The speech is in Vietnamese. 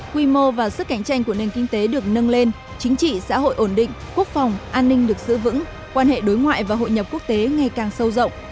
quy mô và sức cạnh tranh của nền kinh tế được nâng lên chính trị xã hội ổn định quốc phòng an ninh được giữ vững quan hệ đối ngoại và hội nhập quốc tế ngày càng sâu rộng